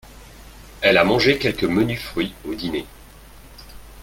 Elle a mangé quelques menus fruits au dîner.